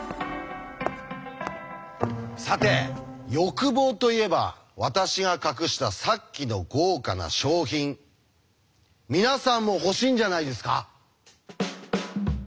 さて欲望といえば私が隠したさっきの豪華な賞品皆さんも欲しいんじゃないですか？